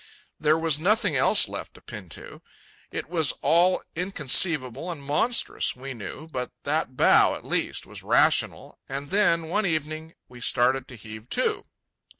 There was nothing else left to pin to. It was all inconceivable and monstrous, we knew, but that bow, at least, was rational. And then, one evening, we started to heave to.